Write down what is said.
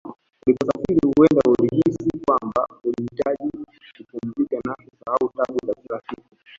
Uliposafiri huenda ulihisi kwamba ulihitaji kupumzika na kusahau taabu za kila siku